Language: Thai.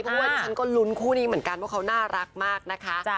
เพราะว่าดิฉันก็ลุ้นคู่นี้เหมือนกันว่าเขาน่ารักมากนะคะ